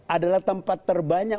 adalah tempat terbanyak